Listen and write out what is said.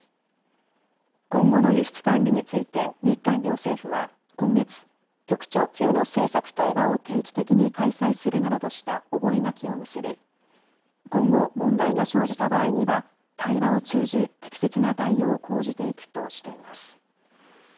今後の輸出管理について日韓両政府は今月、局長級の政策対話を定期的に開催するなどとした覚書を結び今後、問題が生じた場合には対話を通じ適切な対応を講じていくとしています。